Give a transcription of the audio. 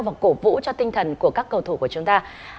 và cổ vũ cho tinh thần của các cầu thủ của chúng ta